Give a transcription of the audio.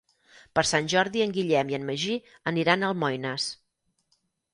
Per Sant Jordi en Guillem i en Magí aniran a Almoines.